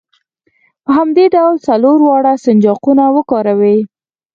په همدې ډول څلور واړه سنجاقونه وکاروئ.